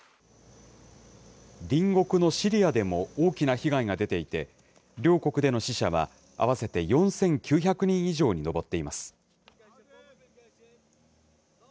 隣国のシリアでも大きな被害が出ていて、両国での死者は合わせて４９００人以上に上っています。